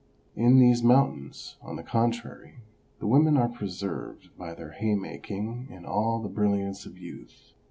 In these mountains, on the contrary, the women are preserved by their hay making in all the brilliance of youth.